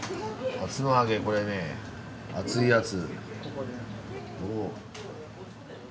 さつま揚げこれね熱いやつ。